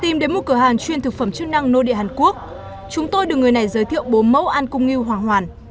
tìm đến một cửa hàng chuyên thực phẩm chức năng nô địa hàn quốc chúng tôi được người này giới thiệu bốn mẫu ăn cung nghiêu hòa hoàn